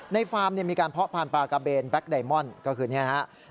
ในฟาร์มมีการพ่อพันธ์ปลากระเบนแม่พันธ์ปลากระเบนก็คือนี้นะครับ